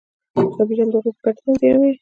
چاپېریال د هغوی په ګټه تنظیموي.